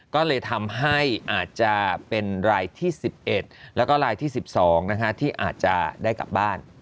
ก็เลยทำให้อาจจะเป็นรายที่๑๑แล้วก็รายที่๑๒ที่อาจจะได้กลับบ้าน